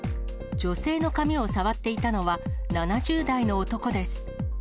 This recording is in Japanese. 女性の髪を触っていたのは、７０代の男です。